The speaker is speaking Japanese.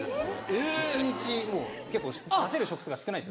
一日もう結構出せる食数が少ないんですよ。